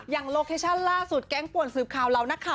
อย่างโลเคชันล่าสุดแก๊งปวดสืบข่าวเรานะครับ